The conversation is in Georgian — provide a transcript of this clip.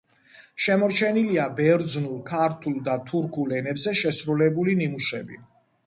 შემორჩენილია ბერძნულ, ქართულ და თურქულ ენებზე შესრულებული ნიმუშები.